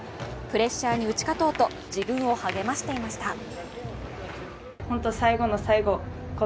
プレッシャーに打ち勝とうと自分を励ましていました。